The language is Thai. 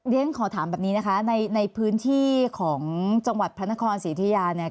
เรียนขอถามแบบนี้นะคะในพื้นที่ของจังหวัดพระนครศรีอุทิยาเนี่ย